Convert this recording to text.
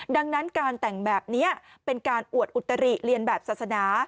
ดังนั้นการแต่งแบบนี้เป็นการอวดอุตริเรียนแบบศาสนา